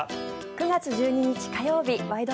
９月１２日、火曜日「ワイド！